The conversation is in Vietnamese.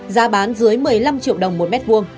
giá bán dưới một mươi năm triệu đồng một m hai